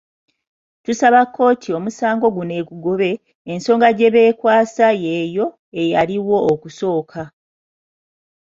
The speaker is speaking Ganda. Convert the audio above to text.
Tusaba kkooti omusango guno egugobe, ensonga gye beekwasa yeeyo eyaliwo okusooka.